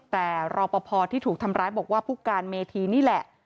แต่รอปภที่ถูกทำร้ายบอกว่าผู้การเมธีนี่แหละ